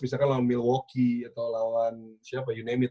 misalkan lawan milwaukee atau lawan siapa you name it